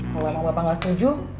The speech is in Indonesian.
kalau emang bapak gak setuju